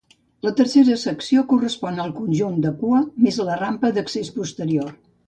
La tercera secció correspon al conjunt de cua més la rampa d'accés posterior.